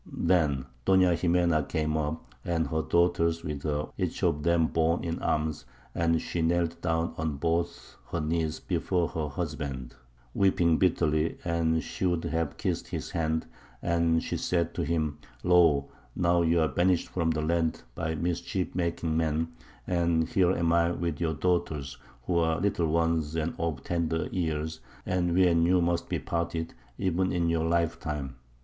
Then Doña Ximena came up, and her daughters with her, each of them borne in arms, and she knelt down on both her knees before her husband, weeping bitterly, and she would have kissed his hand; and she said to him, Lo, now you are banished from the land by mischief making men, and here am I with your daughters, who are little ones and of tender years, and we and you must be parted, even in your life time.